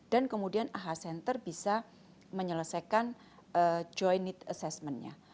dan kemudian aha center bisa menyelesaikan joint need assessmentnya